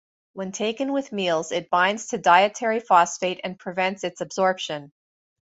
When taken with meals, it binds to dietary phosphate and prevents its absorption.